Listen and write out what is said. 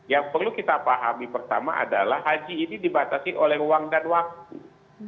yang perlu kita pahami pertama adalah haji ini dibatasi oleh ruang dan waktu